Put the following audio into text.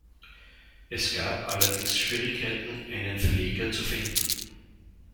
Es gab allerdings Schwierigkeiten, einen Verleger zu finden.